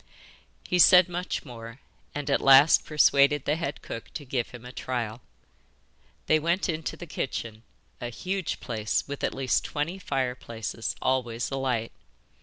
He said much more, and at last persuaded the head cook to give him a trial. They went into the kitchen a huge place with at least twenty fireplaces, always alight.